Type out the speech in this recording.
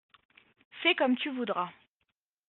Fais comme tu voudras…